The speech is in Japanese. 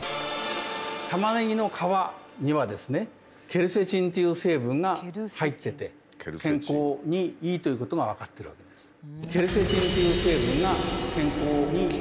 タマネギの皮にはですねケルセチンという成分が入ってて健康にいいということが分かってるわけです。